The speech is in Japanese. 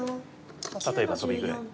例えばトビぐらい打って。